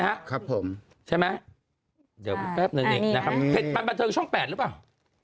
ใช่ไหมเดี๋ยวแป๊บนึงอีกนะครับเผ็ดมาบันเทิงช่อง๘หรือเปล่า